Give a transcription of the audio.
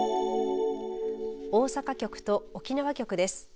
大阪局と沖縄局です。